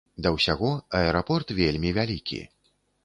Да ўсяго, аэрапорт вельмі вялікі.